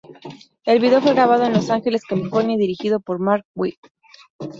El video fue grabado en Los Ángeles, California y dirigido por Marc Webb.